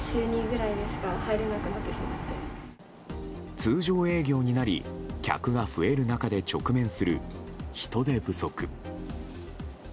通常営業になり客が増える中で直面する人手不足。